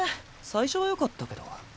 最初はよかったけど。